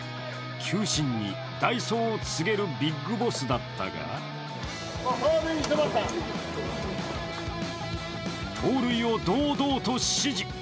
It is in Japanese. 球審に代走を告げるビッグボスだったが盗塁を道道と指示。